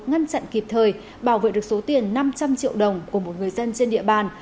ngăn chặn kịp thời bảo vệ được số tiền năm trăm linh triệu đồng của một người dân trên địa bàn